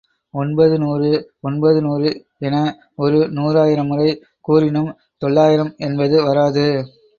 ஒன்பது நூறு ஒன்பது நூறு என ஒரு நூறாயிரம் முறை கூறினும் தொள்ளாயிரம் என்பது வராது.